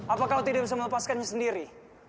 apa kalau tidak bisa melepaskannya sendiri